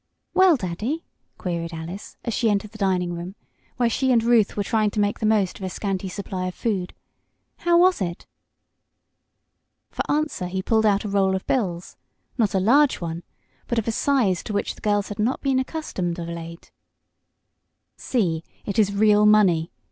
"Well, Daddy?" queried Alice, as she entered the dining room, where she and Ruth were trying to make the most of a scanty supply of food. "How was it?" For answer he pulled out a roll of bills not a large one, but of a size to which the girls had not been accustomed of late. "See, it is real money!"